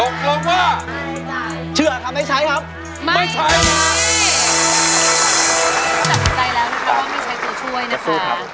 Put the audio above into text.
กระสุทครับ